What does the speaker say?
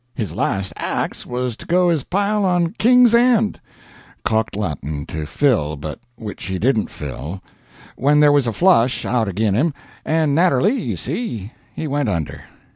His last acts was to go his pile on "Kings and" (calklatin' to fill, but which he didn't fill), when there was a "flush" out agin him, and naterally, you see, he went under.